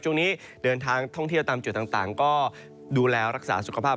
ช่วงนี้เดินทางท่องเที่ยวตามจุดต่างก็ดูแลรักษาสุขภาพ